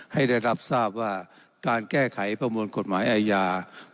ให้ได้รับทราบว่าการแก้ไขประมวลกฎหมายอาญา